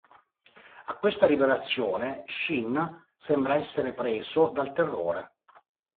A questa rivelazione Shen sembra essere preso dal terrore.